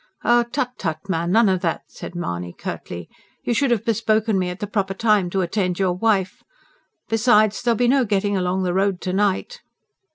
"Tut, tut, man, none of that!" said Mahony curtly. "You should have bespoken me at the proper time to attend your wife. Besides, there'll be no getting along the road to night."